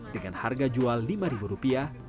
dengan harga jual lima rupiah